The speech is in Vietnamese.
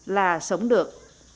là sống được